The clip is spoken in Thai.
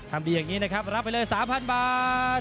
ดีอย่างนี้นะครับรับไปเลย๓๐๐๐บาท